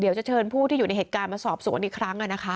เดี๋ยวจะเชิญผู้ที่อยู่ในเหตุการณ์มาสอบสวนอีกครั้งนะคะ